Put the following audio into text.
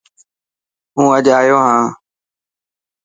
هو اڄ ايو هان.